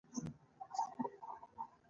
چې ستا سترګې او ګوټې